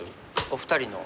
お二人の。